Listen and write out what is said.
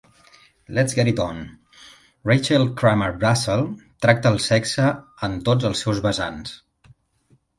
Let's Get It On: Rachel Kramer Bussel tracta el sexe en tots els seus vessants.